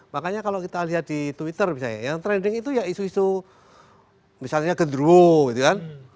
makanya kalau kita lihat di twitter misalnya yang trending itu ya isu isu misalnya gendruwo gitu kan